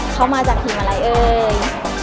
เขามาจากทีมอะไรเอ่ย